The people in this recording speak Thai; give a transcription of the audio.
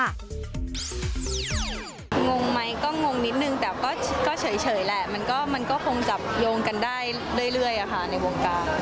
งงไหมก็งงนิดนึงแต่ก็เฉยแหละมันก็คงจับโยงกันได้เรื่อยในวงการ